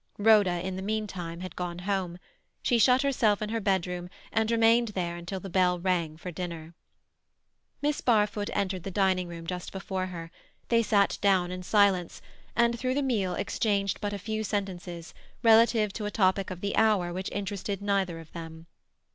Rhoda, in the meantime, had gone home. She shut herself in her bedroom, and remained there until the bell rang for dinner. Miss Barfoot entered the dining room just before her; they sat down in silence, and through the meal exchanged but a few sentences, relative to a topic of the hour which interested neither of them.